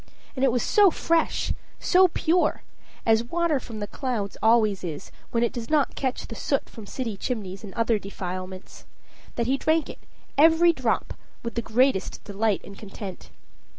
And it was so fresh, so pure as water from the clouds always is when it does not catch the soot from city chimneys and other defilements that he drank it, every drop, with the greatest delight and content.